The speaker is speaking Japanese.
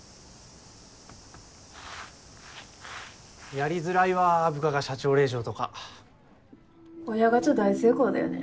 ・やりづらいわ部下が社長・親ガチャ大成功だよね。